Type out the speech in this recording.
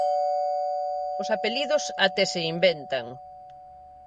Os apelidos até se inventan.